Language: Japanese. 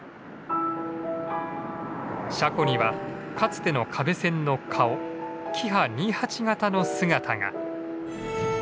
車庫にはかつての可部線の顔キハ２８形の姿が。